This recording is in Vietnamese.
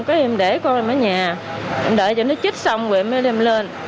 rồi em để con em ở nhà em đợi cho nó chích xong rồi em mới đem lên